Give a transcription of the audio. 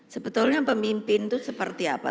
sebetulnya pemimpin itu seperti apa